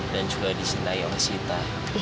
dan juga disintai oleh sita